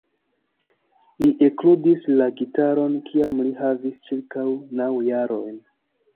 Li ekludis la gitaron kiam li havis ĉirkaŭ naŭ jarojn.